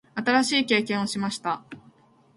新しい経験をしました。